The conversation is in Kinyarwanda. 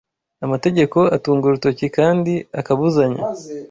Amategeko atunga urutoki kandi akabuzanya